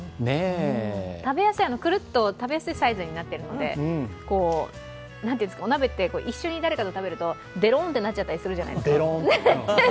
くるっと、食べやすいサイズになっているので、お鍋って一緒に誰かと食べるとベロンてなっちゃうじゃないですか。